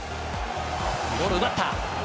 ボール奪った。